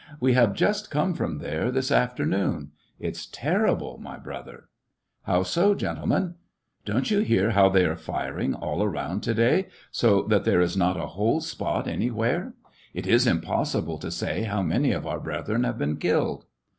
"We have just come from there, this afternoon. It's terrible, my brother !"How so, gentlemen t "Don't you hear how they are firing all around to day, so that there is not a whole spot any where } It is impossible to say how many of our brethren have been killed."